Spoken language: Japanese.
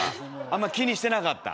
あんま気にしてなかった。